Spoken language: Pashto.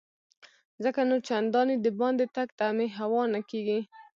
ځکه نو چنداني دباندې تګ ته مې هوا نه کیږي.